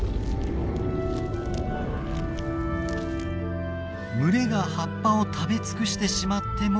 群れが葉っぱを食べ尽くしてしまっても大丈夫。